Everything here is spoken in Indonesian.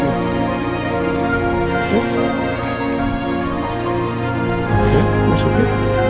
ya jangan masuk ya